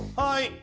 はい。